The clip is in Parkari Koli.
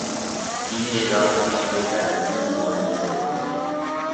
نيهري زائون ٻِيزو ڪئہ هُون مور نيهري زائون۔